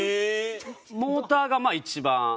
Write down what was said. モーターがまあ一番。